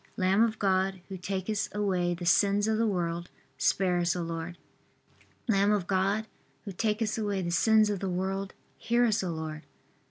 Lamb of God, who takest away the sins of the world, Spare us, O Lord. Lamb of God, who takest away the sins of the world, Hear us, O Lord.